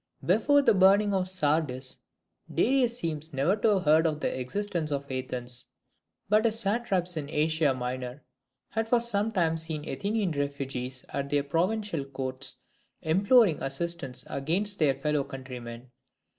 Before the burning of Sardis, Darius seems never to have heard of the existence of Athens; but his satraps in Asia Minor had for some time seen Athenian refugees at their provincial courts imploring assistance against their fellow countrymen.